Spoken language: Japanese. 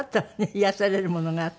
癒やされるものがあって。